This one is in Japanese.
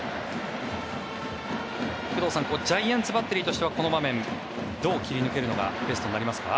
工藤さんジャイアンツバッテリーとしてはこの場面、どう切り抜けるのがベストになりますか。